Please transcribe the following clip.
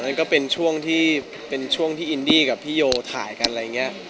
นั่นก็เป็นช่วงที่เป็นช่วงที่อินดี้กับพี่โยถ่ายกันอะไรอย่างนี้